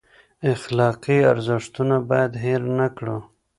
اخلاقي ارزښتونه باید هیر نه کړو.